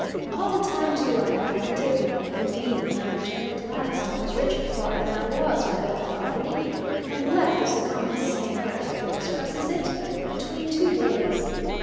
All the time, too, I had plenty of money; indeed, when, I returned at last I was richer far than I was when I left Albany, and left as the common saying graphically expresses it, "between two days."